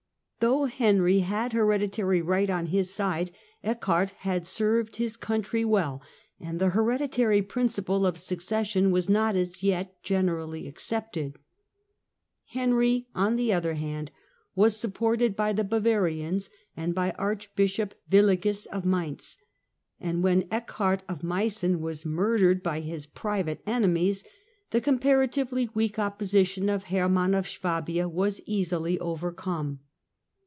Though Henry had hereditary right on his side, Eckhard had served his country well, and the hereditary principle of succession was not as yet generally accepted. Henry, on the other hand, was supported by the Bavarians and by Archbishop Willigis of Mainz, and when Eckhard of Meissen was murdered by his private enemies, the comparatively weak opposition of Hermann of Swabia was easily overcome.